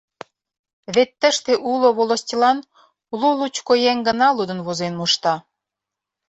Вет тыште уло волостьлан лу-лучко еҥ гына лудын-возен мошта.